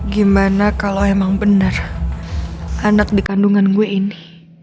gimana kalau emang benar anak di kandungan gue ini